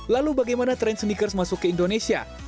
lalu bagaimana tren sneakers masuk ke indonesia